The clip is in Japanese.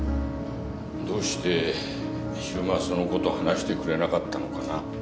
どうして昼間そのこと話してくれなかったのかな？